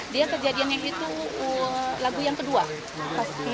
dia kejadiannya itu lagu yang kedua